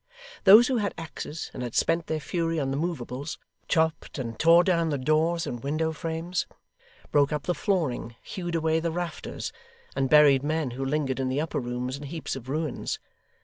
Those who had axes and had spent their fury on the movables, chopped and tore down the doors and window frames, broke up the flooring, hewed away the rafters, and buried men who lingered in the upper rooms, in heaps of ruins.